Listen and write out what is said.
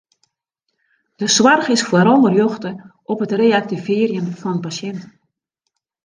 De soarch is foaral rjochte op it reaktivearjen fan pasjinten.